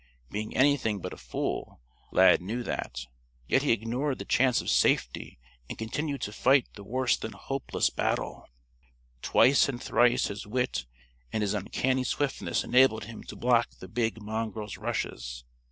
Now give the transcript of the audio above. Being anything but a fool Lad knew that; yet he ignored the chance of safety and continued to fight the worse than hopeless battle. Twice and thrice his wit and his uncanny swiftness enabled him to block the big mongrel's rushes.